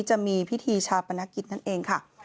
จะมีพิธีชาปนกิจนั่นเองค่ะ